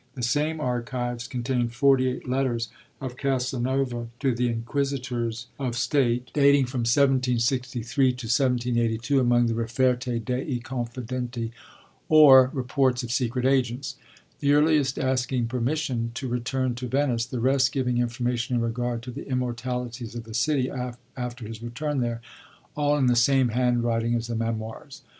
The same archives contain forty eight letters of Casanova to the Inquisitors of State, dating from 1763 to 1782, among the Riferte dei Confidenti, or reports of secret agents; the earliest asking permission to return to Venice, the rest giving information in regard to the immoralities of the city, after his return there; all in the same handwriting as the Memoirs.